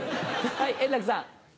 はい円楽さん。